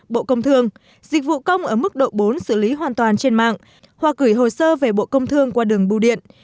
bộ công thương dịch vụ công ở mức độ bốn xử lý hoàn toàn trên mạng hoặc gửi hồ sơ về bộ công thương qua đường bưu điện